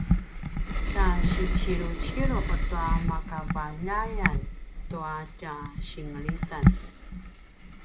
tja siciluciluq tua makavaljayan tua tja singelitan